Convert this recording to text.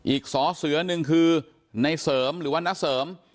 อีกสอเสือหนึ่งคือในเสริมหรือว่าน้าเสริม